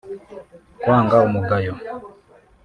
kwanga umugayo